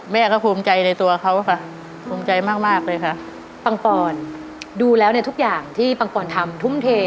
แม่ก็ภูมิใจในตัวเขาค่ะภูมิใจมากมากเลยค่ะปังปอนดูแล้วเนี่ยทุกอย่างที่ปังปอนทำทุ่มเท